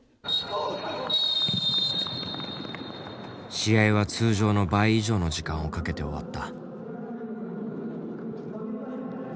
試合は通常の倍以上の時間をかけて終わった。